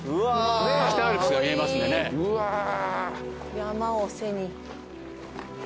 山を背に。